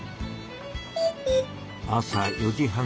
朝４時半。